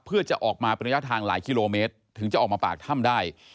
เพื่อจะออกมาเป็นระยะทางหลายกิโลเมตรถึงจะออกมาปากถ้ำได้